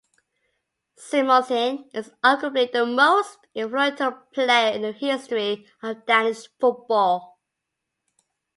Simonsen is arguably the most influential player in the history of Danish football.